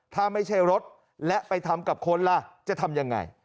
ถ้าไม่ใช่รถและไปทำกับคนล่ะจะทำยังไง